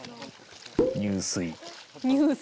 入水。